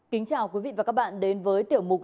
kính chào quý vị và các bạn đến với tiểu mục